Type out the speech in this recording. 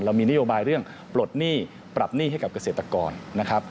เรามีนโยบายเรื่องปลดหนี้ปรับหนี้ให้กับเกษตรกรนะครับ